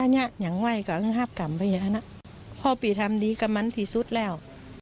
เนี่ยะอย่างไว้ก็เอิ้งห้าบกรรมไปอย่างนั้นพ่อปี่ทำดีกับมันที่สุดแล้ว